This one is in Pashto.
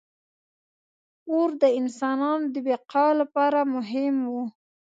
• اور د انسانانو د بقا لپاره مهم و.